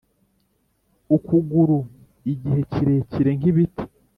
ukuguru igihe kirekire nk'ibiti,